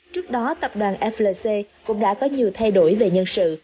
trước đó tập đoàn flc cũng đã có nhiều thay đổi về nhân sự